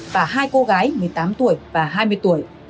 và hai cô gái một mươi tám tuổi và hai mươi tuổi